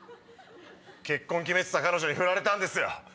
結婚決めてた彼女にフラれたんですよ。